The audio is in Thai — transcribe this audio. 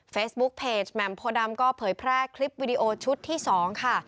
เฟซบุ๊คเพจแหม่มโพดำก็เผยแพร่คลิปวิดีโอชุดที่๒ค่ะ